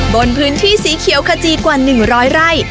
บนพื้นที่สีเขียวขจีกว่า๑๐๐ไร่